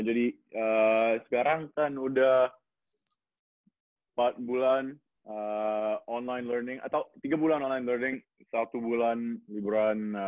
jadi sekarang kan sudah empat bulan online learning atau tiga bulan online learning satu bulan liburan